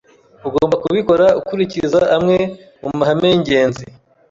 ugomba kubikora ukurikiza amwe mu mahame y’ingenzi.